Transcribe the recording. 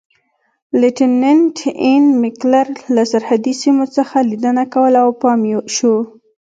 لیتننت اېن میکلر له سرحدي سیمو څخه لیدنه کوله او پام یې شو.